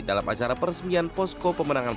dalam acara peresmian posko pemenangan